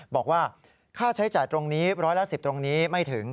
บอกว่าค่าใช้จ่ายตรงนี้ร้อยละ๑๐ตรงนี้ไม่ถึง